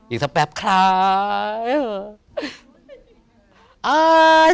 อีกสักแปบคร้าย